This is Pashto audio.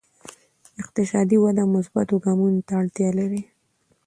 اقتصادي وده مثبتو ګامونو ته اړتیا لري.